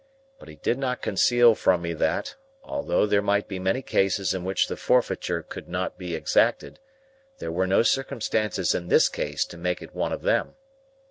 But he did not conceal from me that, although there might be many cases in which the forfeiture would not be exacted, there were no circumstances in this case to make it one of them.